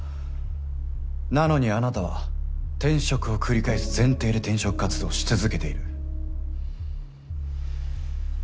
なのにあなたは転職を繰り返す前提で転職活動をし続けている。